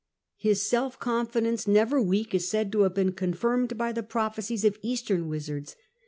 His self confidence, never weak, is said to have been confirmed by the prophecies of Eastern wizards.